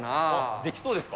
できそうですか。